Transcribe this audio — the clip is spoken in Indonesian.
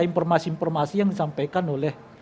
informasi informasi yang disampaikan oleh